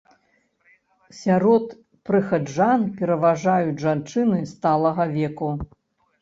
Сярод прыхаджан пераважаюць жанчыны сталага веку.